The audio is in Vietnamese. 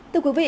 thưa quý vị